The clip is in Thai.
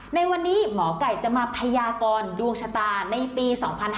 ในวันนี้หมอไก่จะมาพยากรดวงชะตาในปี๒๕๕๙